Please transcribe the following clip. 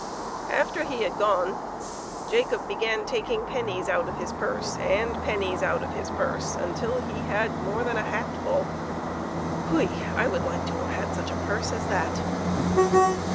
After he had gone, Jacob began taking pennies out of his purse and pennies out of his purse, until he had more than a hatful hui ! I would like to have such a purse as that.